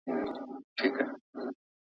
که درناوی وي نو بې ادبي نه وي.